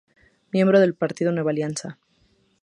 Miembro del Partido Nueva Alianza.